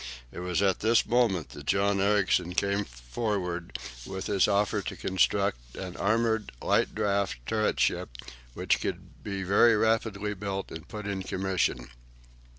It was at this moment that John Ericsson came forward with his offer to construct an armoured light draught turret ship, which could be very rapidly built and put in commission.